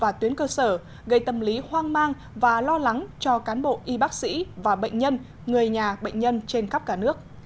và tuyến cơ sở gây tâm lý hoang mang và lo lắng cho cán bộ y bác sĩ và bệnh nhân người nhà bệnh nhân trên khắp cả nước